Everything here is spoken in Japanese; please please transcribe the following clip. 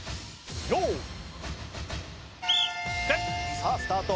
さあスタート。